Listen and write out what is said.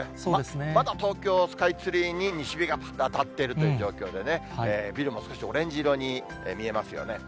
まだ東京スカイツリーに西日がぱっと当たっているという状況でね、ビルも少しオレンジ色に見えますよね。